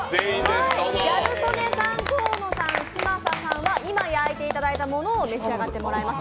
ギャル曽根さん、河野さん、嶋佐さんは今、焼いてもらったものを召し上がってもらいます。